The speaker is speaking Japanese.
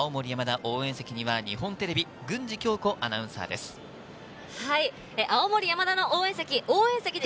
青森山田応援席には日本テレビ・郡司恭子アナウンサーです。